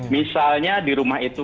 misalnya di rumah itu